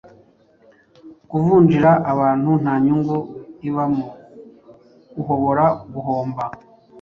Kuvunjira abantu ntanyungu ibamo uhobora guhomba